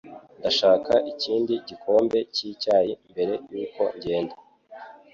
Ndashaka ikindi gikombe cyicyayi mbere yuko ngenda.